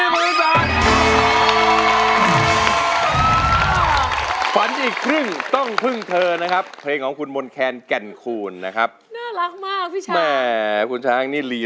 ไม่รู้แหละทุกคนมันดีใจ